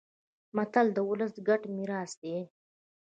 متل د ولس ګډ میراث دی